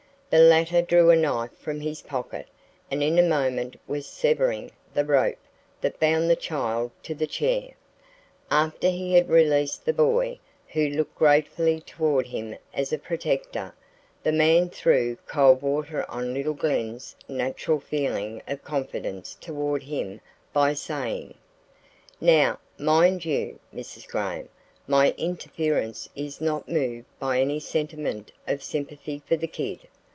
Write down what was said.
The latter drew a knife from his pocket and in a moment was severing the rope that bound the child to the chair. After he had released the boy, who looked gratefully toward him as a protector, the man threw cold water on little Glen's natural feeling of confidence toward him by saying: "Now, mind you, Mrs. Graham, my interference is not moved by any sentiment of sympathy for the kid.